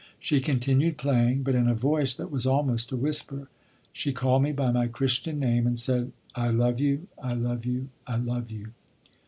She continued playing, but, in a voice that was almost a whisper, she called me by my Christian name and said: "I love you, I love you, I love you."